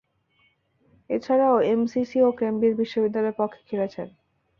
এছাড়াও, এমসিসি ও কেমব্রিজ বিশ্ববিদ্যালয়ের পক্ষে খেলেছেন।